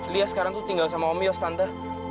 lia sekarang tuh tinggal sama om yus tante